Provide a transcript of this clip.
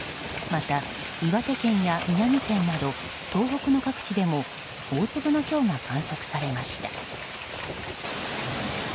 また、岩手県や宮城県など東北の各地でも大粒のひょうが観測されました。